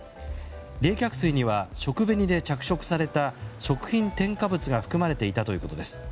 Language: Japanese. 冷却水には食紅で着色された食品添加物が含まれていたということです。